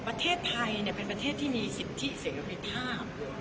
ประเทศไทยเป็นประเทศที่มีสิทธิเสรีภาพ